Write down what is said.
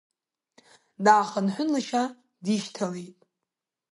Даахынҳәын лашьа дишьҭалеит.